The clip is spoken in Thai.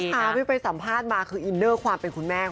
แป้ง่ะแป้งออกมาทำมาหากินเอง